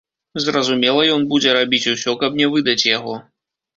Зразумела, ён будзе рабіць усё, каб не выдаць яго.